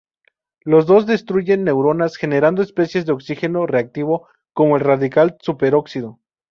Los dos destruyen neuronas generando especies de oxígeno reactivo, como el radical superóxido.